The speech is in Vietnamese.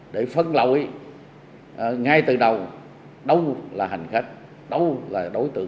để phân lội ngay từ đầu đâu là hành khách đâu là đối tượng